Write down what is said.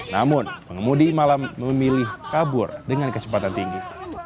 namun pengemudi malah memilih kabur dengan kecepatan tinggi